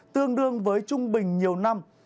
tương đương với trung bình nhiều năm